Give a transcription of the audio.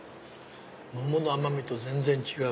桃の甘みと全然違う。